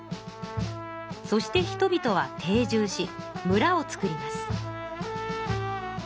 そして人々は定住しむらをつくります。